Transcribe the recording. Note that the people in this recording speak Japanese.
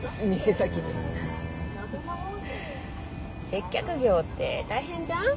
接客業って大変じゃん？